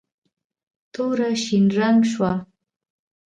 توره شین رنګ شوه.